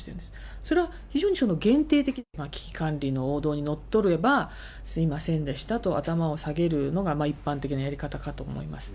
それは非常に限定的、危機管理の王道にのっとれば、すみませんでしたと頭を下げるのが一般的なやり方かと思います。